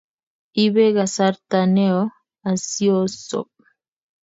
ibee kasarta neo asiosop